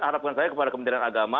harapkan saya kepada kementerian agama